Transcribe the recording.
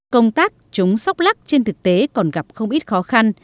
công tác chống sóc lắc trên thực tế còn gặp không ít khó khăn